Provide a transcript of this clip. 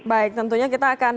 baik tentunya kita akan